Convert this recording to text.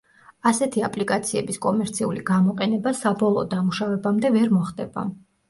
ასეთი აპლიკაციების კომერციული გამოყენება საბოლოო დამუშავებამდე ვერ მოხდება.